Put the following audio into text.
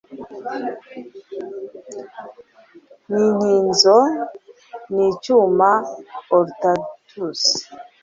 Ninkinzo nicyuma Horatius